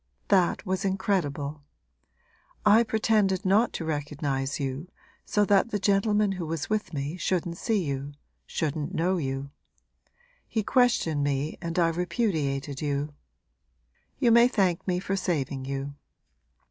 That was incredible. I pretended not to recognise you, so that the gentleman who was with me shouldn't see you, shouldn't know you. He questioned me and I repudiated you. You may thank me for saving you!